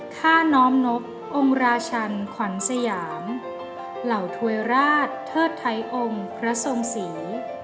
ท่าน้อมนบองค์ราชันขวัญสยามเหล่าถวยราชเทิดไทยองค์พระทรงศรี